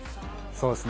そうですね。